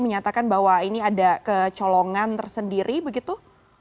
menyatakan bahwa ini ada kecolongan tersendiri begitu